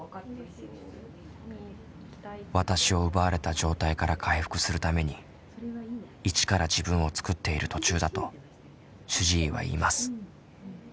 「わたし」を奪われた状態から回復するために一から自分を作っている途中だと主治医は言います。